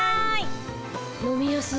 飲みやすい。